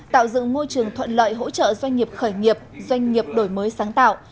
tạo dựng môi trường thuận lợi hỗ trợ doanh nghiệp khởi nghiệp doanh nghiệp đổi mới sáng tạo